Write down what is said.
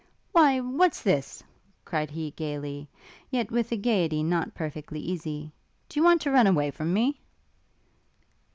'Why, what's this?' cried he gaily, yet with a gaiety not perfectly easy; 'do you want to run away from me?'